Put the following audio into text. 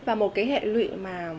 và một cái hệ lụy mà